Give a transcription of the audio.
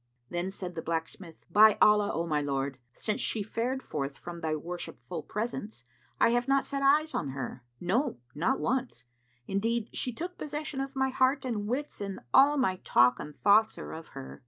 Then said the blacksmith, "By Allah, O my lord, since she fared forth from thy worshipful presence,[FN#366] I have not set eyes on her; no, not once. Indeed she took possession of my heart and wits and all my talk and thoughts are of her.